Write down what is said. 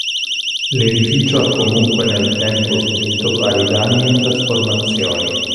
L'edificio ha comunque nel tempo subito vari danni e trasformazioni.